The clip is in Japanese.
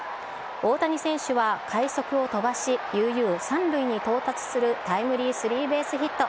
大谷選手は快足を飛ばし、悠々３塁に到達するタイムリースリーベースヒット。